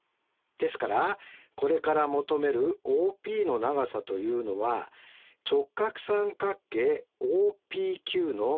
ですからこれから求めるＯＰの長さというのは直角三角形ＯＰＱの斜辺の長さというわけです。